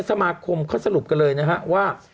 สมาคมเขาสรุปกันเลยนะฮะว่า